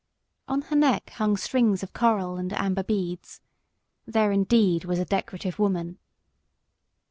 On her neck hung strings of coral and amber beads. There was indeed a decorative woman!